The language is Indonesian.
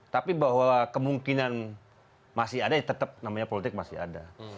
tapi bahwa kemungkinan masih ada tetap namanya politik masih ada